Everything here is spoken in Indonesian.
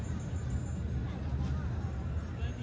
helikopter ini dilengkapi peluncur roket ffar dua tujuh puluh lima inci